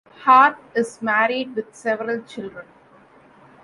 Harp is married, with several children.